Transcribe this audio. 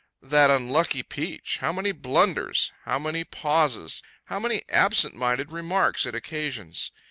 That unlucky peach! How many blunders, how many pauses, how many absent minded remarks it occasions!